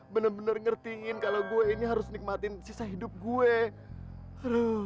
bener bener ngertiin kalau gue ini harus nikmatin sisa hidup gue